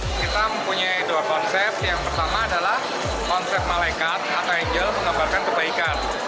kita mempunyai dua konsep yang pertama adalah konsep malaikat atau angel menggambarkan kebaikan